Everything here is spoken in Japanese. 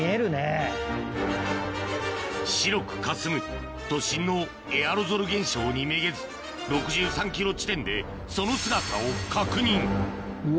白くかすむ都心のエアロゾル現象にめげず６３ｋｍ地点でその姿を確認うわ